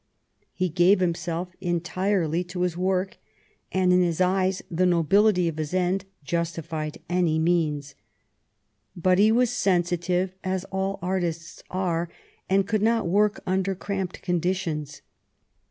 He gave himself entirely to his work, and in his eyes the nobility of his end justified any means. But he was sensitive, as all artists are, and could not work under cramped conditions.